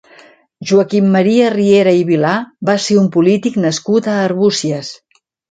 Joaquim Maria Riera i Vilà va ser un polític nascut a Arbúcies.